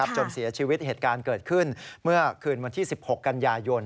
จนเสียชีวิตเหตุการณ์เกิดขึ้นเมื่อคืนวันที่๑๖กันยายน